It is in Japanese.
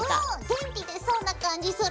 元気出そうな感じする！